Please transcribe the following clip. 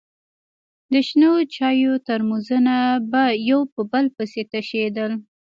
د شنو چايو ترموزونه به يو په بل پسې تشېدل.